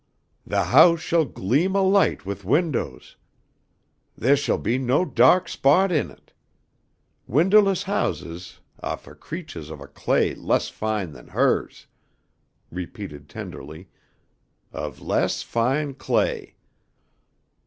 "The house shall gleam alight with windows. Theah shall be no da'k spot in it. Windowless houses ah fo' creatuahs of a clay less fine than hers," repeating tenderly, "of less fine clay.